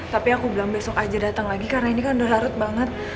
tapi aku bilang besok aja datang lagi karena ini kan udah harap banget